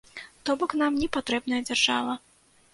То бок нам не патрэбная дзяржава.